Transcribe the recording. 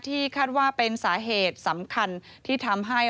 คาดว่าเป็นสาเหตุสำคัญที่ทำให้